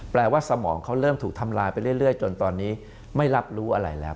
ว่าสมองเขาเริ่มถูกทำลายไปเรื่อยจนตอนนี้ไม่รับรู้อะไรแล้ว